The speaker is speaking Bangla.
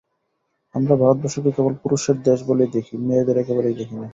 আমরা ভারতবর্ষকে কেবল পুরুষের দেশ বলেই দেখি, মেয়েদের একেবারেই দেখি নে।